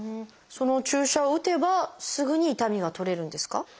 その注射を打てばすぐに痛みが取れるんですか？